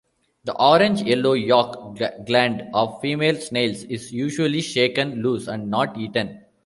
The orange-yellow yolk gland of female snails is usually shaken loose and not eaten.